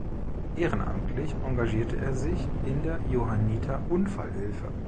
Ehrenamtlich engagierte er sich in der Johanniter Unfall-Hilfe.